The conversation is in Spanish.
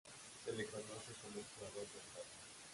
Se le conoce como un jugador versátil.